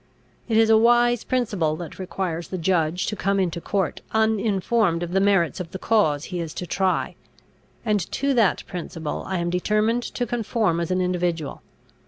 It is a wise principle that requires the judge to come into court uninformed of the merits of the cause he is to try; and to that principle I am determined to conform as an individual.